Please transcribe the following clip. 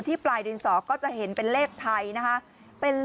ที่ปลายดวงเฉาก็จะเห็นเป็นเลขไทยนะฮะเป็น